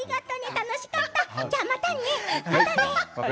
楽しかった、じゃあまたね。